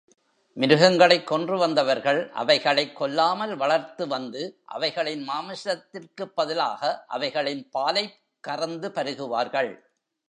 மிருகங்களைக் கொன்று வந்தவர்கள் அவைகளைக் கொல்லாமல் வளர்த்துவந்து அவைகளின் மாமிசத்திற்குப் பதிலாக அவைகளின் பாலைக் கறந்து பருகுவார்கள்.